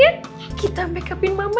yaudah nanti mama makeupin kamu ya